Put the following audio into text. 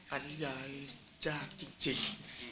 อันยายจากจริง